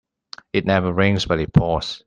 It never rains but it pours.